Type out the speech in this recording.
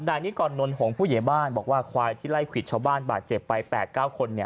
นายนี้ก่อนนนท์ของผู้เยบ้านบอกว่าควายที่ไล่ขวิดชาวบ้านบาดเจ็บไปแปลกเก้าคนเนี่ย